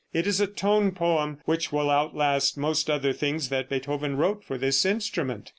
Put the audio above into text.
It is a tone poem which will outlast most other things that Beethoven wrote for this instrument.